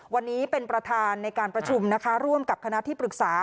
วันนี้เป็นประธานในการประชุมนะคะร่วมกับคณะที่ปรึกษา